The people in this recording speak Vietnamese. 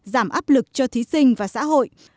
giảm áp lực cho thí sinh và xã hội